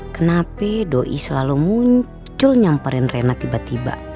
kenapa doai selalu muncul nyamperin rena tiba tiba